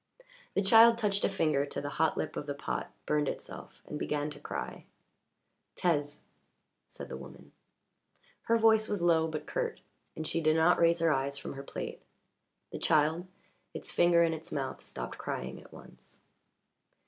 The child touched a ringer to the hot lip of the pot, burned itself, and began to cry. "Taise," said the woman. Her voice was low but curt, and she did not raise her eyes from her plate. The child, its finger in its mouth, stopped crying at once.